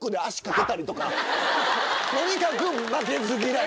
とにかく。